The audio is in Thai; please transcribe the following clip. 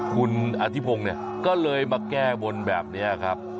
คุณอธิพงศ์เนี่ยก็เลยมาแก้บนแบบนี้ครับ